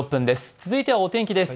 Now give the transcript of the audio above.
続いてはお天気です。